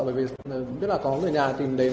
bởi vì biết là có người nhà tìm đến